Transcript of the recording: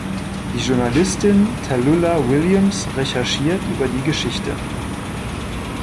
Die Journalistin Tallulah Williams recherchiert über die Geschichte.